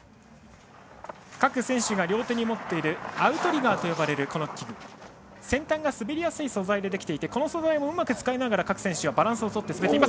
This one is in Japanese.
各選手が両手に持っているアウトリガーと呼ばれる器具先端が滑りやすい素材でできていてこの素材をうまく使いながら各選手は滑ります。